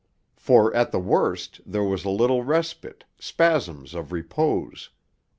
For, at the worst, there was a little respite, spasms of repose.